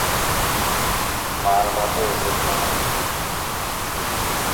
মারমাদের যায় না।